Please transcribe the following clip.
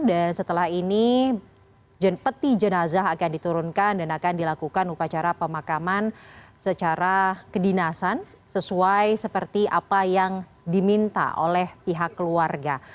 dan setelah ini peti jenazah akan diturunkan dan akan dilakukan upacara pemakaman secara kedinasan sesuai seperti apa yang diminta oleh pihak keluarga